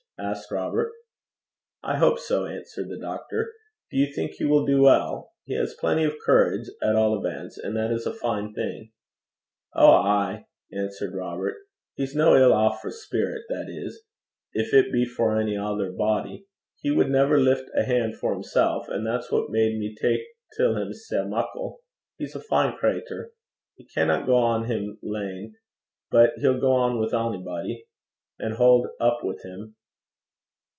asked Robert. 'I hope so,' answered the doctor. 'Do you think he will do well? He has plenty of courage, at all events, and that is a fine thing.' 'Ow ay,' answered Robert; 'he's no ill aff for smeddum (spirit) that is, gin it be for ony ither body. He wad never lift a han' for himsel'; an' that's what garred me tak till him sae muckle. He's a fine crater. He canna gang him lane, but he'll gang wi' onybody and haud up wi' him.'